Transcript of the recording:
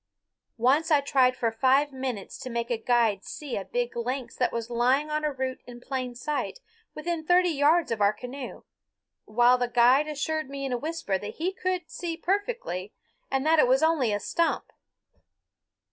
Once I tried for five minutes to make a guide see a big lynx that was lying on a root in plain sight within thirty yards of our canoe, while the guide assured me in a whisper that he could see perfectly and that it was only a stump.